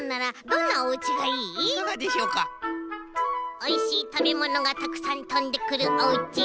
「おいしいたべものがたくさんとんでくるおうち」。